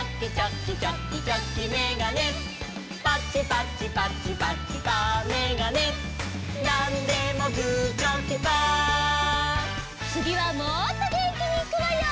つぎはもっとげんきにいくわよ！